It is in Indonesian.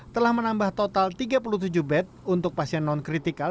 telah menambah total tiga puluh tujuh bed untuk pasien non kritikal